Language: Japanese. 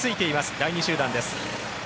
第２集団です。